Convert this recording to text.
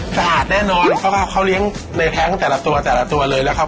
สะอาดแน่นอนเพราะว่าเขาเลี้ยงในแท้งแต่ละตัวแต่ละตัวเลยนะครับ